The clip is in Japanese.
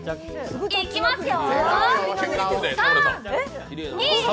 いきますよ。